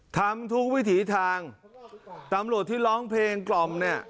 ทำทุกวิถีทางตำรวจที่ร้องเพลงกล่อมเนี่ย